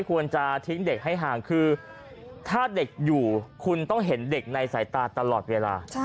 ควรจะทิ้งเด็กให้ห่างคือถ้าเด็กอยู่คุณต้องเห็นเด็กในสายตาตลอดเวลา